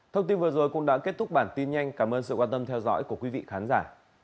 thông tin vừa rồi cũng đã kết thúc bản tin nhanh cảm ơn sự quan tâm theo dõi của quý vị khán giả